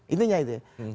intinya itu ya